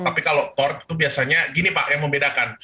tapi kalau court itu biasanya gini pak yang membedakan